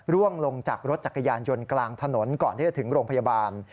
ร่วงลงจากรถจักรยานยนต์กลางถนนก่อนที่จะถึงโรงพยาบาล